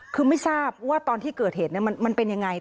คือไม่ทราบว่าตอนที่เกิดเหตุมันเป็นยังไง